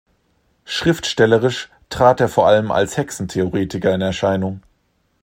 Schriftstellerisch trat er vor allem als Hexentheoretiker in Erscheinung.